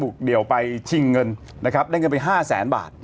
เดี่ยวไปชิงเงินนะครับได้เงินไป๕แสนบาท